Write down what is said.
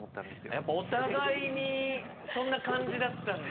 やっぱお互いにそんな感じだったんだ。